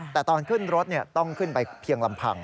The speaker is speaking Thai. แต่ตอนขึ้นรถต้องขึ้นไปเพียงลำพัง